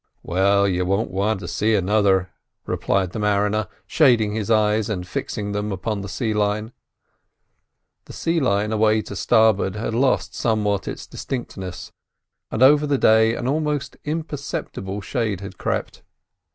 "Well, you won't want to see another," replied the mariner, shading his eyes and fixing them upon the sea line. The sea line away to starboard had lost somewhat its distinctness, and over the day an almost imperceptible shade had crept.